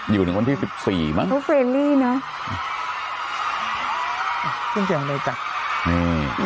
อยู่ถึงวันที่สิบสี่มั้งเพราะโซเฟนมี่เนอะ